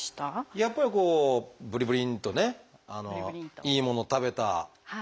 やっぱりこうブリブリンとねいいもの食べた。